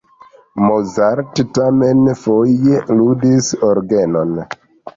Mozart tamen foje ludis orgenon.